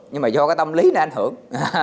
nhưng mà do cái tâm lý nó ảnh hưởng